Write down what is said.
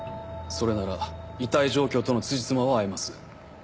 それなら遺体状況とのつじつまは合います。